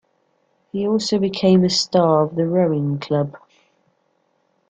He also became a star of the rowing club.